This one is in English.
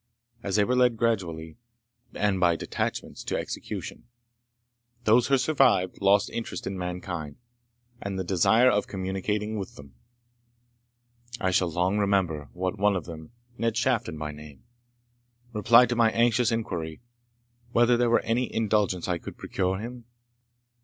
As they were led gradually, and by detachments, to execution, those who survived lost interest in mankind, and the desire of communicating with them. I shall long remember what one of them, Ned Shafton by name, replied to my anxious inquiry, whether there was any indulgence I could procure him?